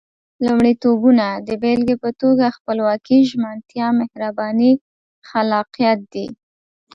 لومړيتوبونه د بېلګې په توګه خپلواکي، ژمنتيا، مهرباني، خلاقيت دي.